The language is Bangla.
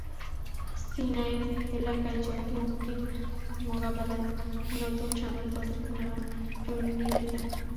সিনাই এলাকায় জঙ্গি হুমকি মোকাবিলায় নতুন সামরিক পদক্ষেপ নেওয়ার নির্দেশ দেন তিনি।